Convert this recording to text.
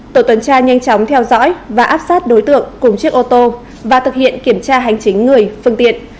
tổ tuần tra nhanh chóng theo dõi và áp sát đối tượng cùng chiếc ô tô và thực hiện kiểm tra hành chính người phương tiện